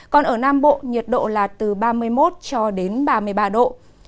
còn ở nam bộ nhiệt độ là từ ba mươi một cho đến ba mươi ba độ